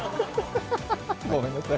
ごめんなさい。